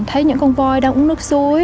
thấy những con voi đang uống nước suối